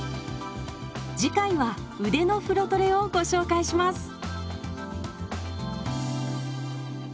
次回は「腕」の風呂トレをご紹介します。